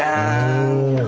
お！